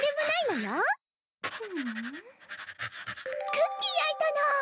クッキー焼いたの！